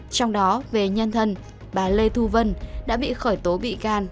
trong đó về nhân thân bà lê thu vân đã bị khởi tố bị can